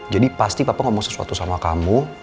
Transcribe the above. jadi pasti papa ngomong sesuatu sama kamu